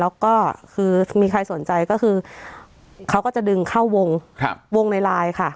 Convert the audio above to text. แล้วก็คือมีใครสนใจก็คือเขาก็จะดึงเข้าวงในไลน์ค่ะ